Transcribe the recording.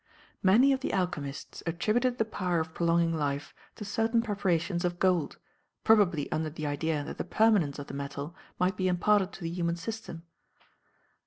Many of the alchemists attributed the power of prolonging life to certain preparations of gold, probably under the idea that the permanence of the metal might be imparted to the human system.